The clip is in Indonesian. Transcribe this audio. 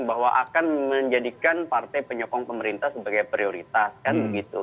bahwa akan menjadikan partai penyokong pemerintah sebagai prioritas kan begitu